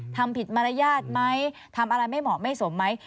ทำผิดมารยาทไหมทำอะไรไม่เหมาะไม่สมไหม